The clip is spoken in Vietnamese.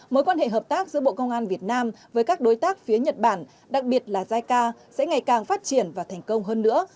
mối quan hệ hợp tác giữa bộ công an việt nam với các đối tác phía nhật bản đặc biệt là jica sẽ ngày càng phát triển và thành công hơn nữa